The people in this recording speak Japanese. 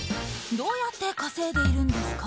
どうやって稼いでいるんですか？